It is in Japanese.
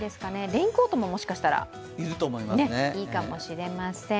レインコートももしかしたらいいかもしれません。